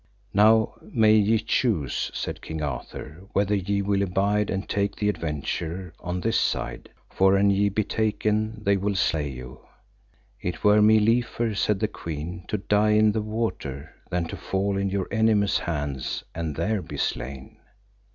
Now may ye choose, said King Arthur, whether ye will abide and take the adventure on this side, for an ye be taken they will slay you. It were me liefer, said the queen, to die in the water than to fall in your enemies' hands and there be slain.